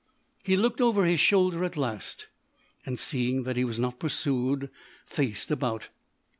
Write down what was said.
He looked over his shoulder at last, and, seeing that he was not pursued, faced about.